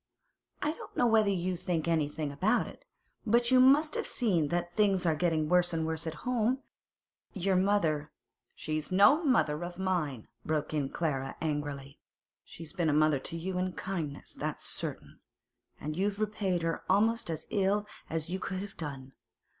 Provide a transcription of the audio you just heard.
I don't know whether you think anything about it, but you must have seen that things are getting worse and worse at home. Your mother—' 'She's no mother of mine!' broke in Clara angrily. 'She's been a mother to you in kindness, that's certain, and you've repaid her almost as ill as you could have done.